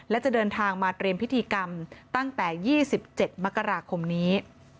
และจะเดินทางมาเตรียมพิธีกรรมตั้งแต่๒๗มกราคมนี้